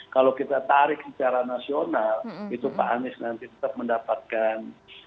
kalau kita tarik secara nasional itu pak anies nanti tetap mendapatkan